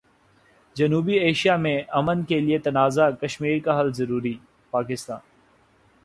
جنوبی ایشیا میں امن کیلئے تنازع کشمیر کا حل ضروری، پاکستان